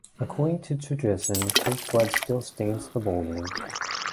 According to tradition his blood still stains the boulder.